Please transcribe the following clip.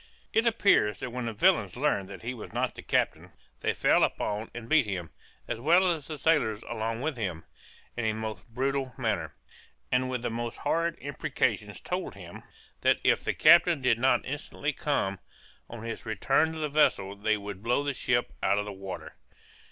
It appears that when the villains learned that he was not the captain, they fell upon and beat him, as well as the sailors along with him, in a most brutal manner, and with the most horrid imprecations told him, that if the captain did not instantly come, on his return to the vessel, they would blow the ship out of the water.